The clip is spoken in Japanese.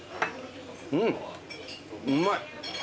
うんうまい。